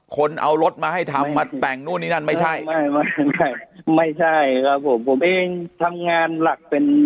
คนเอารถมาให้ทำมาแต่งนู่นนี่นั่นไม่ใช่ไม่ใช่ครับผมผมเองทำงานหลักเป็น